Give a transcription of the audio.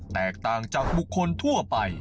แตกต่างจากบุคคลทั่วไป